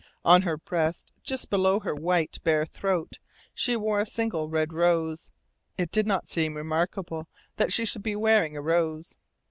On her breast, just below her white, bare throat, she wore a single red rose. It did not seem remarkable that she should be wearing a rose.